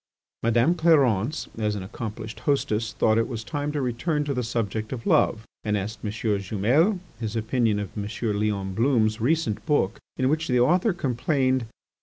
Madame Clarence as an accomplished hostess thought it was time to return to the subject of love and asked M. Jumel his opinion of M. Leon Blum's recent book in which the author complained.